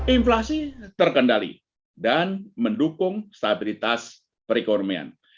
inflasi terkendali dan mendukung stabilitas perekonomian